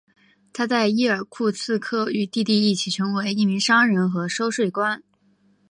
他在伊尔库茨克与弟弟一起成为一名商人和收税官。